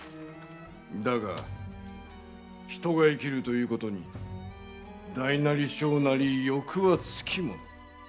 だが人が生きるということに大なり小なり、欲はつきもの。